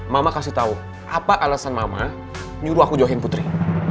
mama kasih tahu apa alasan mama nyuruh aku johin putri